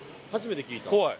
怖い。